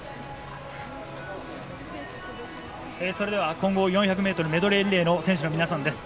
混合４００ｍメドレーリレーの選手の皆さんです。